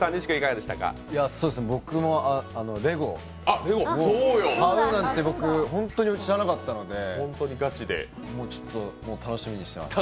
僕もレゴ買うなんて、ホントに知らなかったので、ちょっと楽しみにしてみます。